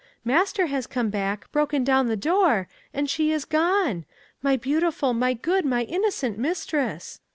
Master has come back, broken down the door, and she is gone! My beautiful, my good, my innocent mistress!